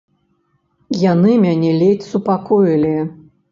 Яны мяне ледзь супакоілі.